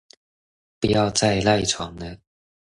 不要再賴床了